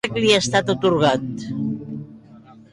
Quin càrrec li ha estat atorgat?